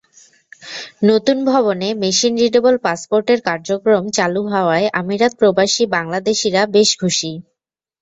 নতুন ভবনে machine readable পাসপোর্টের কার্যক্রম চালু হওয়ায় আমিরাতপ্রবাসী বাংলাদেশিরা বেশ খুশি।